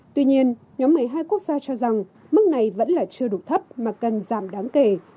tuy nhiên nhóm một mươi hai quốc gia cho rằng mức này vẫn là chưa đủ thấp mà cần giảm đáng kể